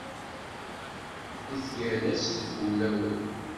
I tyerras deg ulawen.